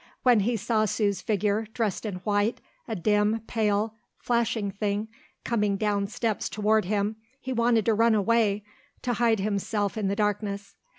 When he saw Sue's figure, dressed in white, a dim, pale, flashing thing, coming down steps toward him, he wanted to run away, to hide himself in the darkness.